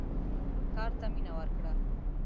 کار ته مینه ورکړه.